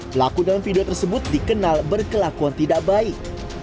pelaku dalam video tersebut dikenal berkelakuan tidak baik